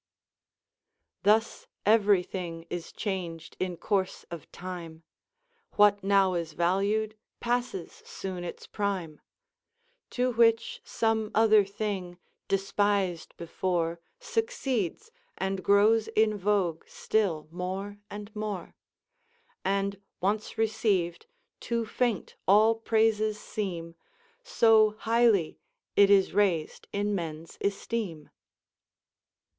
"Thus ev'ry thing is changed in course of time, What now is valued passes soon its prime; To which some other thing, despised before, Succeeds, and grows in vogue still more and more; And once received, too faint all praises seem, So highly it is rais'd in men's esteem."